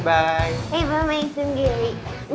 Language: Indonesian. bye bye main sunggeri